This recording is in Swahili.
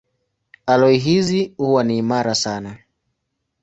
Aloi hizi huwa ni imara sana.